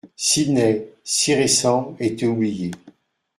Sidney, si récent, était oublié.